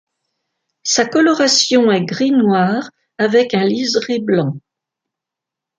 Sa coloration est gris noir, avec un liseré blanc.